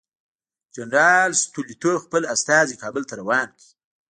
جنرال ستولیتوف خپل استازی کابل ته روان کړ.